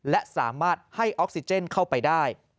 และสามารถให้ออกซิเจนเข้าไปได้